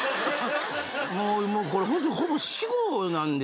もうこれホントほぼ死語なんですよ。